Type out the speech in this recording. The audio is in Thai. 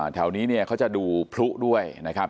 แถวนี้เนี่ยเขาจะดูพลุด้วยนะครับ